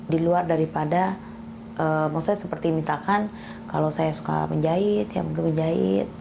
di luar daripada maksudnya seperti misalkan kalau saya suka menjahit ya mungkin menjahit